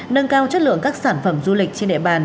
nâng cao chất lượng các sản phẩm du lịch trên địa bàn